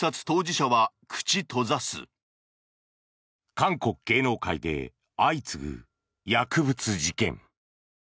韓国芸能界で相次ぐ薬物事件。